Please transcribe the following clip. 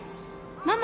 ママ？